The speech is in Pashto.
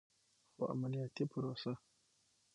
خو عملیاتي پروسه